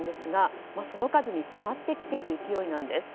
その数に迫ってきている勢いなんです。